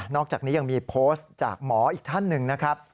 อกจากนี้ยังมีโพสต์จากหมออีกท่านหนึ่งนะครับ